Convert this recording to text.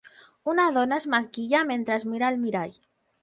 Una dona es maquilla mentre es mira al mirall.